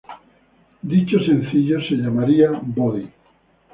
Dicho sencillo se llamaría "Body".